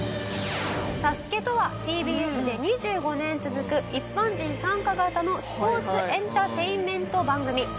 『ＳＡＳＵＫＥ』とはＴＢＳで２５年続く一般人参加型のスポーツエンターテインメント番組。